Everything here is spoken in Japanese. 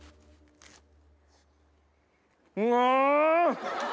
うわ！